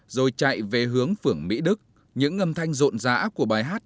rồi chạy về hướng phưởng mỹ đức những âm thanh rộn rã của bài hát